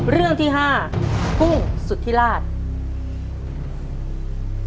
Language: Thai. เรื่องที่๕กุ้งสุธิราช